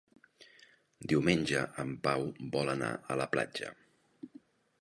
Diumenge en Pau vol anar a la platja.